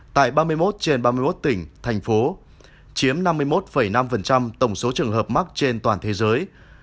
tại ba mươi một trên ba mươi một tỉnh thành phố chiếm năm mươi một năm tổng số trường hợp mắc trên toàn thế giới